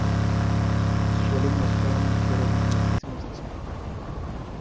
Suelen mostrar un ligero dimorfismo sexual.